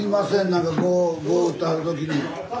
何か碁を打ってはる時に。